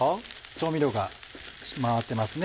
調味料が回ってますね。